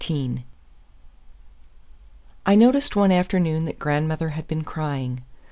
XIII I NOTICED one afternoon that grandmother had been crying.